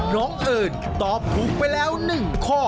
น้องเอิญตอบถูกไปแล้ว๑ข้อ